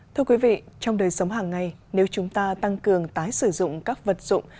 thưa quý vị trong đời sống hàng ngày nếu chúng ta tăng cường tái sử dụng các vật dụng